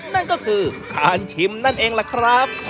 นั่นก็คือการชิมนั่นเองล่ะครับ